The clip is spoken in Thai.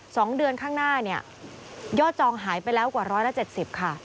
สองเดือนข้างหน้าเนี่ยยอดจองหายไปแล้วกว่าร้อยละเจ็ดสิบค่ะ